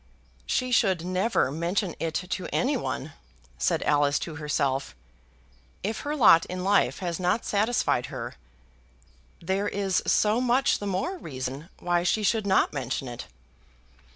"She should never mention it to any one," said Alice to herself. "If her lot in life has not satisfied her, there is so much the more reason why she should not mention it."